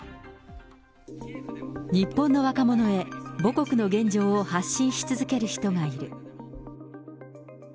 日本の若者へ、母国の現状を発信し続ける人がいる。